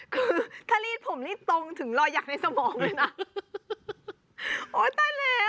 คือถ้ารีดผมนี่ตรงถึงรอยหยักษ์ในสมองเลยนะโอ้ยตายแล้ว